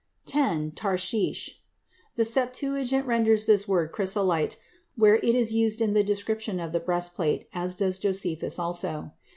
X. Tarshish. [תַרשִׁישׁ.] The Septuagint renders this word "chrysolite," where it is used in the description of the breastplate, as does Josephus also.